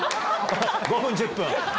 ５分１０分。